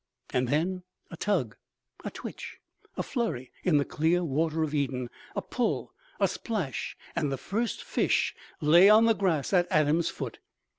And then a tug, a twitch, a flurry in the clear water of Eden, a pull, a splash, and the First Fish lay on the grass at Adam's foot.